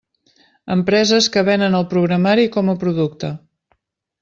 Empreses que venen el programari com a producte.